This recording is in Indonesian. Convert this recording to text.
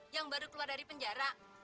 yang baru keluar dari penjara